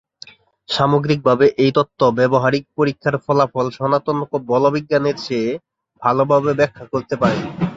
সামগ্রিকভাবে এই তত্ত্ব ব্যবহারিক পরীক্ষার ফলাফল সনাতন বলবিজ্ঞানের চেয়ে ভালোভাবে ব্যাখ্যা করতে পারে।